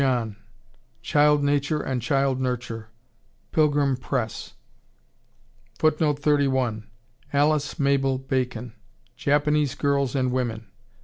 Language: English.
John, "Child Nature and Child Nurture." Pilgrim Press. Alice Mabel Bacon, "Japanese Girls and Women."